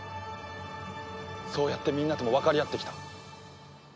そうやってみんなともわかり合ってきた。